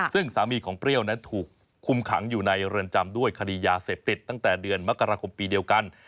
ซึ่งสามีของเปรี้ยวนั้นถูกคุมขังอยู่ในเรือนจำด้วยคดียาเสพติดตั้งแต่เดือนมกราคมปีเดียวกัน